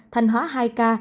thanh hóa hai ca